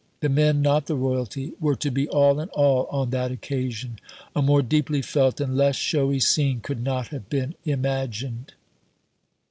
The men, not the Royalty, were to be all in all on that occasion. A more deeply felt and less showy scene could not have been imagined.